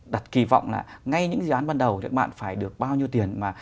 đặt kỳ vọng là ngay những dự án ban đầu các bạn phải được bao nhiêu tiền mà